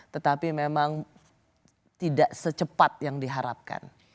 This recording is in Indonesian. tetapi memang tidak secepat yang diharapkan